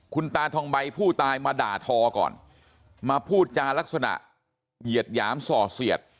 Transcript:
คุณตาทองใบผู้ตายมาด่าทอก่อนมาพูดจารักษณะเหยียดหยามส่อเสียด